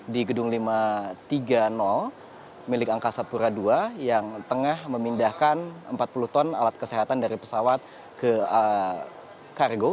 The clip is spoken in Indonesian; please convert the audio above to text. di gedung lima ratus tiga puluh milik angkasa pura ii yang tengah memindahkan empat puluh ton alat kesehatan dari pesawat ke kargo